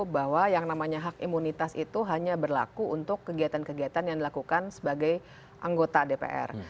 bahwa yang namanya hak imunitas itu hanya berlaku untuk kegiatan kegiatan yang dilakukan sebagai anggota dpr